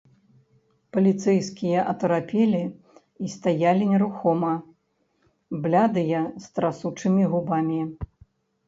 Паліцэйскія атарапелі і стаялі нерухома, блядыя, з трасучымі губамі.